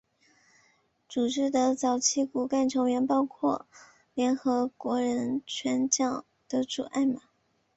组织的早期骨干成员包括联合国人权奖得主艾玛。